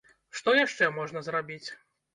Што яшчэ можна зрабіць?